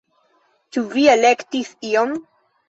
Ĉu vi elektis ion?